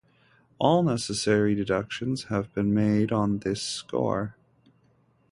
All necessary deductions have been made on this score.